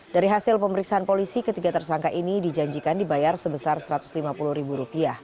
dari hasil pemeriksaan polisi ketiga tersangka ini dijanjikan dibayar sebesar rp satu ratus lima puluh